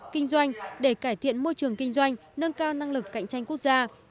kinh doanh để cải thiện môi trường kinh doanh nâng cao năng lực cạnh tranh quốc gia